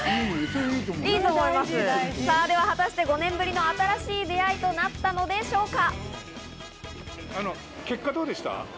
さぁ、では果たして５年ぶりの新しい出会いとなったのでしょうか？